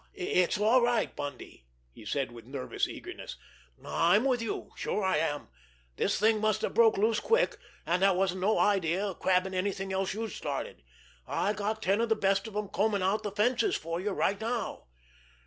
"It's all right, Bundy," he said with nervous eagerness. "I'm with you. Sure, I am! This thing must have broke loose quick, and there wasn't no idea of crabbing anything you'd started. I got ten of the best of 'em combing out the 'fences' for you right now."